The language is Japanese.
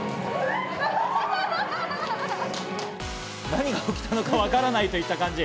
何が起きたのかわからないといった感じ。